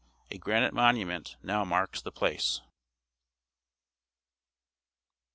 A granite monument now marks the place.